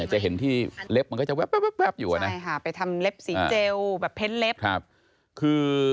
จะเห็นที่เล็บมันก็จะแบบอยู่